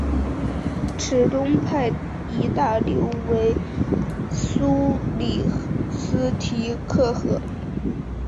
池东派一大流为苏里斯提克河。